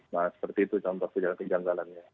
nah seperti itu contoh kejanggalannya